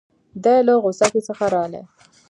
دی له غوڅکۍ څخه رالی.